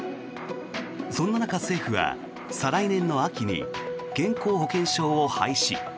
そんな中、政府は再来年の秋に健康保険証を廃止。